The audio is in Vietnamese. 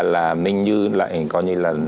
là minh như lại có như là